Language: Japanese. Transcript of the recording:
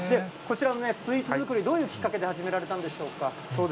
こちらのスイーツ作り、どういうきっかけで始められたんでしょうか。